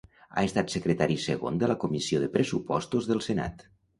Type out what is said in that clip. Ha estat secretari segon de la comissió de Pressupostos del Senat.